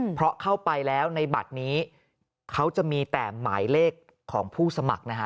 เพราะเข้าไปแล้วในบัตรนี้เขาจะมีแต่หมายเลขของผู้สมัครนะฮะ